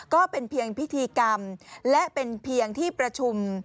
ก็เป็นเพียงพิธีกรรมและเป็นเพียงที่ประชุม